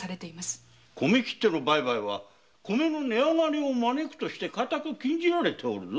米切手の売買は米の値上がりを招くとして禁じられているはず。